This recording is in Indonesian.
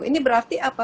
ini berarti apa